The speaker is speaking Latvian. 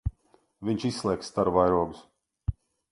Viņš izslēgs staru vairogus.